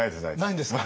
ないんですか？